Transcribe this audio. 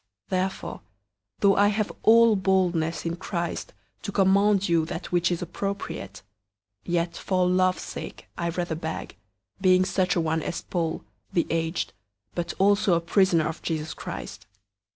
001:008 Therefore, though I have all boldness in Christ to command you that which is appropriate, 001:009 yet for love's sake I rather beg, being such a one as Paul, the aged, but also a prisoner of Jesus Christ.